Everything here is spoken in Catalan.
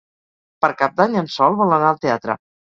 Per Cap d'Any en Sol vol anar al teatre.